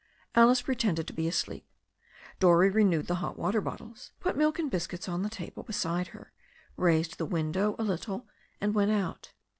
Alice pretended to be asleep. Dorrie renewed the hot water bottles, put milk and biscuits on the table beside her, raised the window a little, and went out.